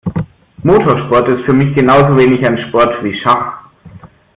Motorsport ist für mich genauso wenig ein Sport wie Schach.